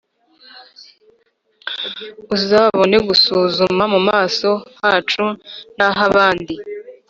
uzabone gusuzuma mu maso hacu n’ah’abandi